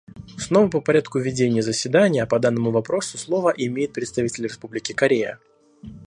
Снова по порядку ведения заседания по данному вопросу слово имеет представитель Республики Корея.